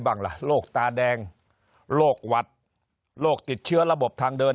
บ้างล่ะโรคตาแดงโรคหวัดโรคติดเชื้อระบบทางเดิน